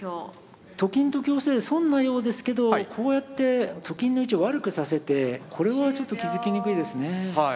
と金と香で損なようですけどこうやってと金の位置を悪くさせてこれはちょっと気付きにくいですね。